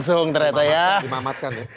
langsung ternyata ya dimamatkan